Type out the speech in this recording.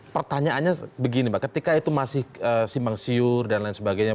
pertanyaannya begini mbak ketika itu masih simpang siur dan lain sebagainya